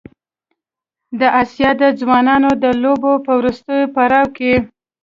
د اسیا د ځوانانو د لوبو په وروستي پړاو کې